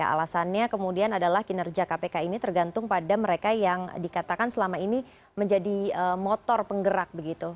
alasannya kemudian adalah kinerja kpk ini tergantung pada mereka yang dikatakan selama ini menjadi motor penggerak begitu